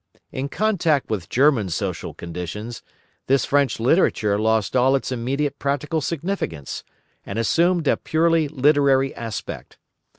In contact with German social conditions, this French literature lost all its immediate practical significance, and assumed a purely literary aspect.